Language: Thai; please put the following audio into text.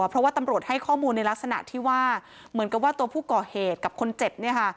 เพราะว่าตำรวจให้ข้อมูลในลักษณะที่ว่าเหมือนกับว่าตัวผู้ก่อเหตุกับคนเจ็บ